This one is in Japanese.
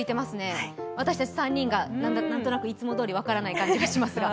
私たち３人が、何となくいつもどおり分からない感じがしますが。